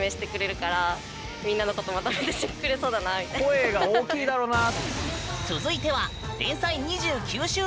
声が大きいだろうなあ。